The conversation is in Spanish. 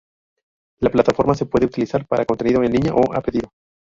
La plataforma se puede utilizar para contenido en línea o a pedido.